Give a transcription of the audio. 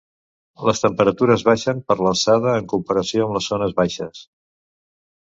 Les temperatures baixen per l'alçada en comparació amb les zones baixes.